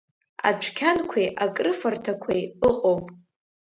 Адәқьанқәеи акрыфарҭақәеи ыҟоуп.